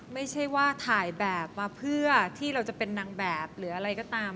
ไม่ใช่ว่าถ่ายแบบมาเพื่อที่เราจะเป็นนางแบบหรืออะไรก็ตาม